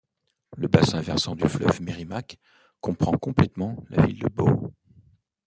Le bassin versant du fleuve Merrimack comprend complètement la ville de Bow.